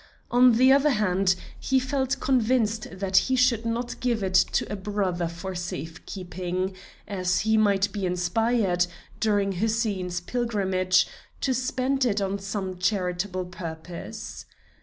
On the other hand, he felt convinced that he should not give it to a brother for safe keeping, as he might be inspired, during Hussein's pilgrimage, to spend it on some charitable purpose.